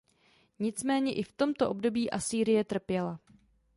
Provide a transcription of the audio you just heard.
Nicméně i v tomto období Asýrie trpěla.